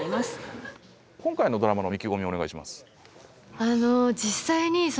今回のドラマの意気込みお願いします。